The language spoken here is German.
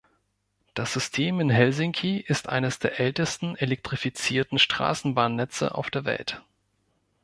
Das System in Helsinki ist eines der ältesten elektrifizierten Straßenbahnnetze auf der Welt.